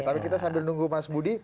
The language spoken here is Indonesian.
tapi kita sedang menunggu mas budi